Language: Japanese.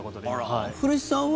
古市さんは？